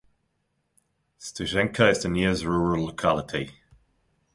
Stuzhenka is the nearest rural locality.